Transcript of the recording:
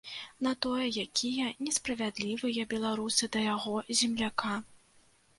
На тое, якія несправядлівыя беларусы да яго, земляка.